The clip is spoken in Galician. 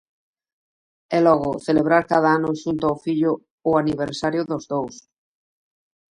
E logo, celebrar cada ano xunto ao fillo o aniversario dos dous.